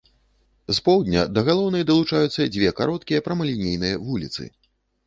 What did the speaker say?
З поўдня да галоўнай далучаюцца дзве кароткія прамалінейныя вуліцы.